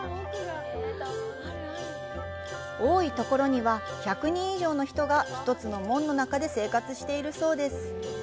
多いところには１００人以上の人が、１つの門の中で生活しているそうです。